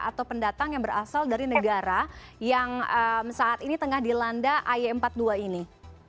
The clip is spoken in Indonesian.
atau pendatang yang berasal dari negara yang saat ini tengah dilanda ay empat puluh dua ini